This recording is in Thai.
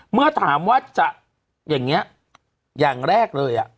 เมื่อถามว่าจะอย่างนี้อย่างแรกเลย